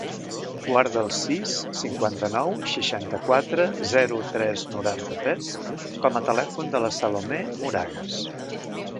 Guarda el sis, cinquanta-nou, seixanta-quatre, zero, tres, noranta-tres com a telèfon de la Salomé Moragues.